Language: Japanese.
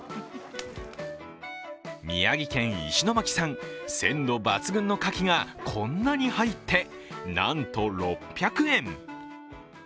宮城県石巻産、鮮度抜群のカキがこんなに入って、なんと６００円。